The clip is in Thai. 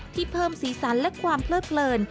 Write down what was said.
เพิ่มสีสันและความเพลิดเพลิน